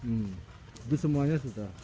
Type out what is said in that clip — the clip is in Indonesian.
itu semuanya sudah